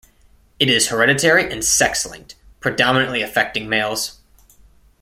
It is hereditary and sex-linked, predominantly affecting males.